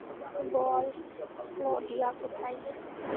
বল Claudia কোথায়?